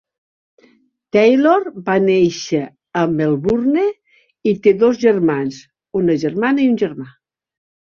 Taylor va néixer a Melbourne i té dos germans, una germana i un germà.